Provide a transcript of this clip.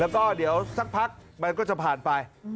แล้วก็เดี๋ยวสักพักมันก็จะผ่านไป